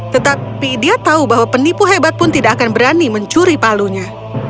tetapi dia tahu bahwa penipu hebat pun tidak akan berani mencuri palunya